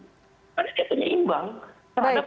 karena itu menyeimbang terhadap